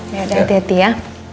yaudah hati hati ya